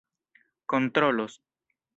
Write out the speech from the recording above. kontrolos